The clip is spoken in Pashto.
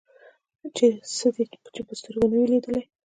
څه دې چې په سترګو نه وي لیدلي.